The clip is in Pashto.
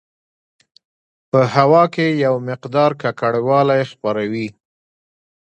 په هوا کې یو مقدار ککړوالی خپروي.